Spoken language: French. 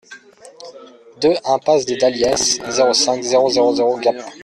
deux impasse des Dahlias, zéro cinq, zéro zéro zéro Gap